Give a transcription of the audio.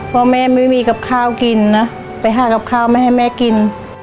ว่าแม่ไม่มีกับข้าวกินนะไปหากับข้าวไม่ให้แม่กิน